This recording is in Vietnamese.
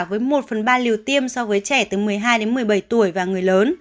với một phần ba liều tiêm so với trẻ từ một mươi hai đến một mươi bảy tuổi và người lớn